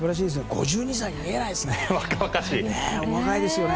５２歳に見えないお若いですね。